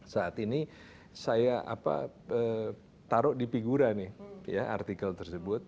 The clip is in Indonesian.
saat ini saya taruh di figura nih artikel tersebut